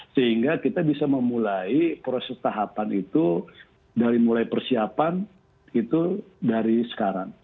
sehingga kita bisa memulai proses tahapan itu dari mulai persiapan itu dari sekarang